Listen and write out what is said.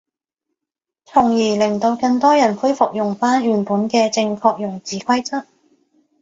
從而令到更多人恢復用返原本嘅正確用字規則